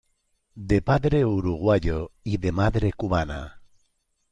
De padre uruguayo y de madre cubana.